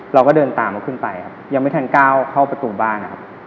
เราก็เดินตามเขาขึ้นไปครับยังไม่ทันก้าวเข้าประตูบ้านนะครับ